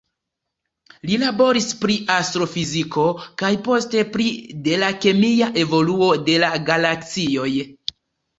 Li laboris pri astrofiziko, kaj poste pri de la kemia evoluo de la galaksioj.